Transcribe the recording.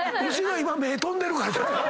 今目ぇ飛んでるからな。